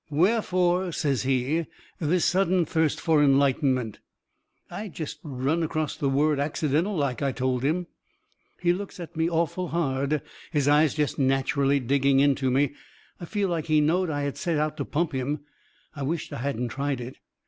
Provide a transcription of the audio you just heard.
"Wherefore," says he, "this sudden thirst for enlightenment?" "I jest run acrost the word accidental like," I told him. He looks at me awful hard, his eyes jest natcherally digging into me. I felt like he knowed I had set out to pump him. I wisht I hadn't tried it.